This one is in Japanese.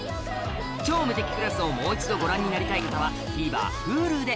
『超無敵クラス』をもう一度ご覧になりたい方はＴＶｅｒＨｕｌｕで